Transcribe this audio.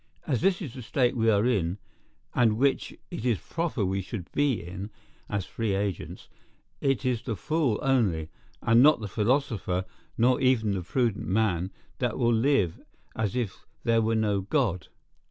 As this is the state we are in, and which it is proper we should be in, as free agents, it is the fool only, and not the philosopher, nor even the prudent man, that will live as if there were no God.